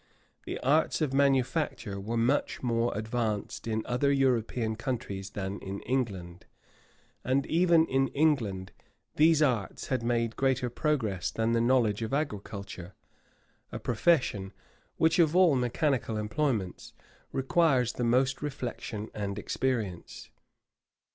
The arts of manufacture were much more advanced in other European countries than in England; and even in England these arts had made greater progress than the knowledge of agriculture; a profession which of all mechanical employments, requires the most reflection and experience.